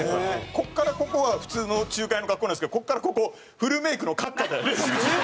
ここからここは普通の中華屋の格好なんですけどここからここフルメイクの閣下でレジ打ち。